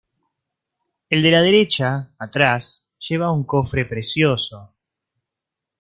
El de la derecha, atrás, lleva un cofre precioso.